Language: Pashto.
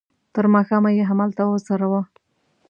تر ماښامه یې همالته وڅروه.